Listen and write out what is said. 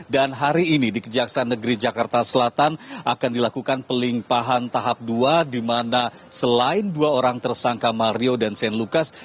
dan hari ini di kejaksaan negeri jakarta selatan akan dilakukan pelimpahan tahap dua dimana selain dua orang tersangka mario dan shane lucas